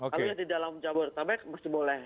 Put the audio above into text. kalau yang di dalam jabodetabek masih boleh